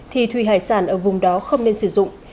thì thủy hải sản ở vùng đó không nên sử dụng